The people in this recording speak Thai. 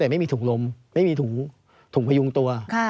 แต่ไม่มีถุงลมไม่มีถุงพยุงตัว